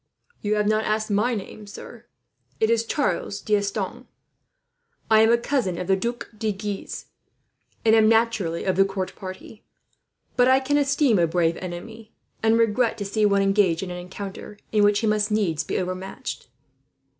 "You have not asked my name, sir. It is Charles D'Estanges. I am a cousin of the Duc de Guise, and am naturally of the court party; but I can esteem a brave enemy, and regret to see one engaged in an encounter in which he must needs be overmatched."